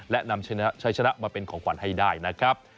และนำใช้ชนะมาเป็นของขวัญให้ได้นะครับ